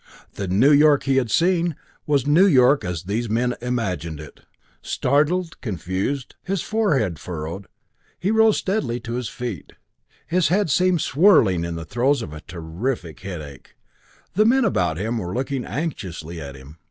The New York he had seen was New York as these men imagined it. Startled, confused, his forehead furrowed, he rose unsteadily to his feet. His head seemed whirling in the throes of a terrific headache. The men about him were looking anxiously at him.